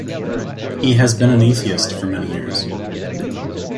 He has been an atheist for many years.